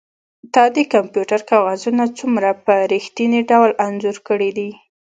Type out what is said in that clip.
تا د کمپیوټر کاغذونه څومره په ریښتیني ډول انځور کړي دي